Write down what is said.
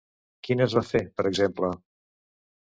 Quines va fer, per exemple?